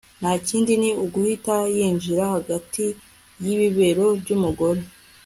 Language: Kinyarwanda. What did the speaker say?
nta kindi ni uguhita yinjira hagati y'ibibero by'umugore